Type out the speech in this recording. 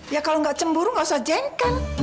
ya kalau gak cemburu gak usah jengkel